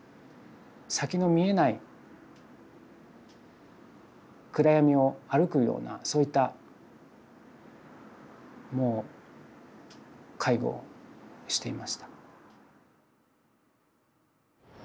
先の見えない暗闇を歩くようなそういったもう介護をしていました。